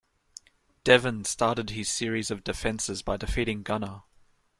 Devon started his series of defenses by defeating Gunner.